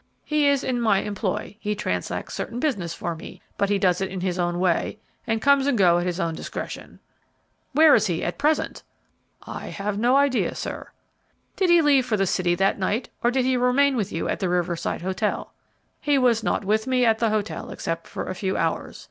He is in my employ, he transacts certain business for me, but he does it in his own way, and comes and goes at his own discretion." "Where is he at present?" "I have no idea, sir." "Did he leave for the city that night, or did he remain with you at the Riverside Hotel?" "He was not with me at the hotel except for a few hours.